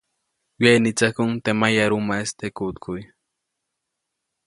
Wyeʼnitsäkuʼuŋ teʼ mayarumaʼis teʼ kuʼtkuʼy.